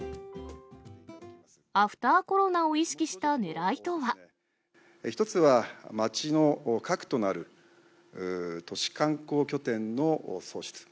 アフターコロナを意識したねらい１つは、街の核となる都市観光拠点の創出。